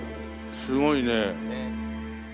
すごいね。